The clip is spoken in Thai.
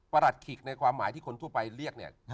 หลัดขิกในความหมายที่คนทั่วไปเรียกเนี่ย